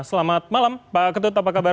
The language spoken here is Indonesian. selamat malam pak ketut apa kabar